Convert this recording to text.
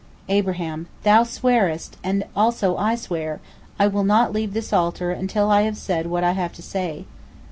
Abraham: "Thou swearest, and also I swear, I will not leave this altar until I have said what I have to say."